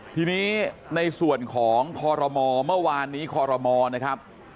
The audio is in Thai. ทีนี้ในส่วนของพรบเมื่อวานนี้พรบนะครับ